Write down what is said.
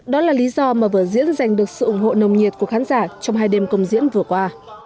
đó là lý do mà vợ diễn giành được sự ủng hộ nồng nhiệt của khán giả trong hai đêm công diễn vừa qua